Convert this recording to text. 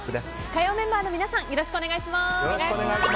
火曜メンバーの皆さんよろしくお願いします。